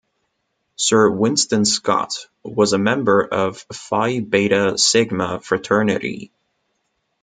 Sir Winston Scott was a member of Phi Beta Sigma fraternity.